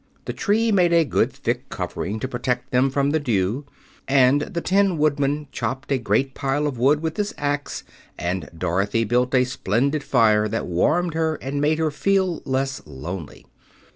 The tree made a good, thick covering to protect them from the dew, and the Tin Woodman chopped a great pile of wood with his axe and Dorothy built a splendid fire that warmed her and made her feel less lonely.